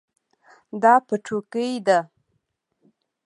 دا پټوکۍ ده